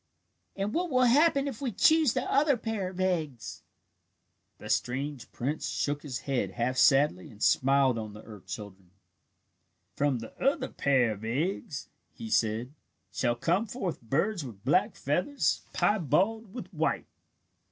"And what will happen if we choose the other pair of eggs?" The strange prince shook his head half sadly and smiled on the earth children. "From the other pair of eggs," he said, "shall come forth birds with black feathers, piebald with white.